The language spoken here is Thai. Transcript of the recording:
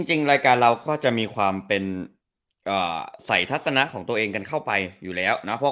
จริงรายการเราก็จะมีความเป็นใส่ทัศนะของตัวเองกันเข้าไปอยู่แล้วนะ